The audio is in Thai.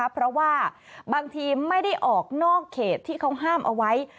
เพราะว่าบางทีไม่ได้ออกนอกเขตที่เขาห้ามเอาไว้